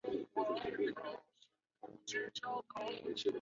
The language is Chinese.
祖父吴彦忠。